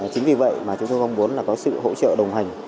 chính vì vậy mà chúng tôi mong muốn là có sự hỗ trợ đồng hành